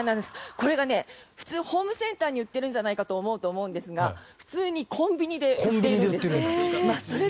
これが普通、ホームセンターに売ってるんじゃないかと思うと思うんですが普通にコンビニで売っているんです。